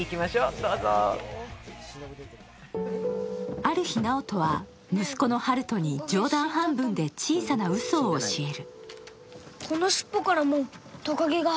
ある日、直人は息子の春翔に冗談半分で小さなうそを教える。